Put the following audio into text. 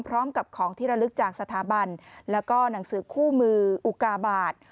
พร้อมกับของที่ระลึกจากสถาบันแล้วก็หนังสือคู่มืออุกาบาท